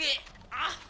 あっ！